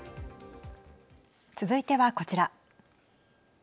続いてはこちら。